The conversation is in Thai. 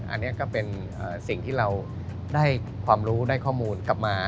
อันนี้ก็เป็นสิ่งที่เราได้ความรู้ได้ข้อมูลกลับมา